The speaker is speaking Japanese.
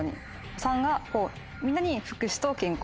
３がみんなに福祉と健康を。